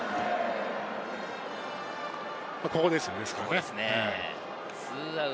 ここですよね。